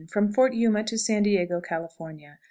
_From Fort Yuma to San Diego, California.